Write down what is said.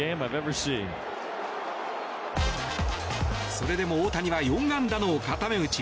それでも大谷は４安打の固め打ち。